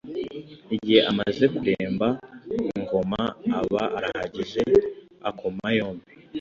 Igihe amaze kuremba, Ngoma aba arahageze, akoma yombi.